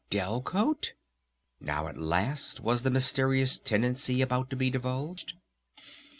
Delcote?" (Now at last was the mysterious tenancy about to be divulged?)